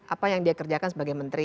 apa yang dia kerjakan sebagai menteri